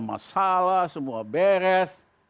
masalah semua beres